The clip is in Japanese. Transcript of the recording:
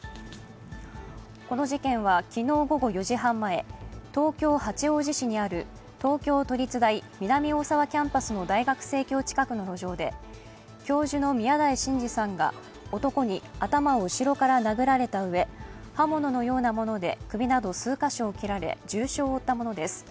この事件は昨日午後４時半前、東京・八王子市にある東京都立大・南大沢キャンパスの大学生協近くの路上で教授の宮台真司さんが男に頭を後ろから殴られたうえ刃物のようなもので首など数か所を切られ重傷を負ったものです。